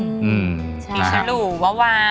ปีฉลูกว้าว